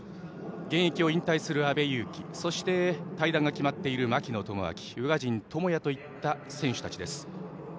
現役を引退する阿部勇樹そして退団が決まっている槙野智章宇賀神友弥といった選手たちです。